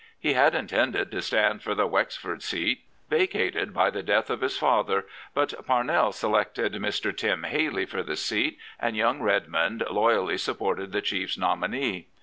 He had intended to stand for the Wexford seat vacated by the death of his father, but Parnell se T^ted Mr. " Tim " Healy for the seat, and young Redmond loyally supported the Chief's nominee.